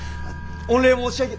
御礼申し上げ。